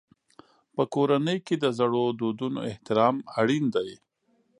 په کورنۍ کې د زړو دودونو احترام اړین دی.